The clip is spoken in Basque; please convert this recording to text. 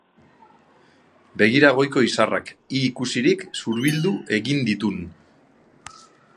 Begira goiko izarrak: hi ikusirik zurbildu egin ditun.